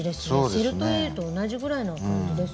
セルトレイと同じぐらいの感じですよね。